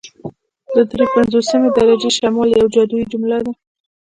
د دري پنځوسمې درجې شمال یوه جادويي جمله ده